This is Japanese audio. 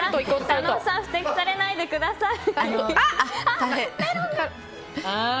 佐野さんふてくされないでください。